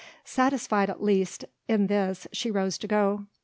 Satisfied at least in this she rose to go.